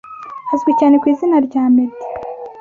azwi cyane ku Izina rya Meddy